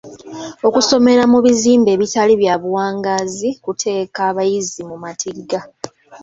Okusomera mu bizimbe ebitali bya buwangaazi kuteeka abayizi mu matigga.